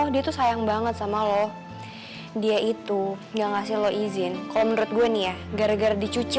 dia tuh sayang banget sama lo dia itu enggak ngasih lo izin kalau menurut gue nih ya gara gara dicuci